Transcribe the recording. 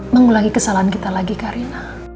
mengulangi kesalahan kita lagi karina